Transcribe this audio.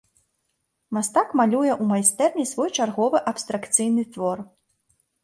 Мастак малюе ў майстэрні свой чарговы абстракцыйны твор.